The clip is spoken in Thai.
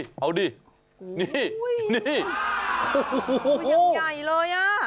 นี่นี่โอ้โฮโอ้โฮโอ้โฮยังใหญ่เลย